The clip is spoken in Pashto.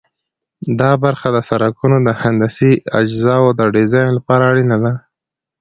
دا برخه د سرکونو د هندسي اجزاوو د ډیزاین لپاره اړینه ده